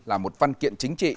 là một văn kiện chính trị